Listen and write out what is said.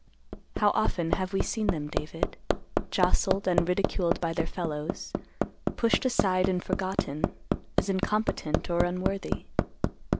How often have we seen them, David, jostled and ridiculed by their fellows, pushed aside and forgotten, as incompetent or unworthy.